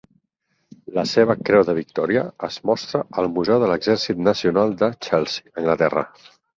La seva Creu de Victoria es mostra al Museu de l'Exèrcit Nacional de Chelsea, Anglaterra.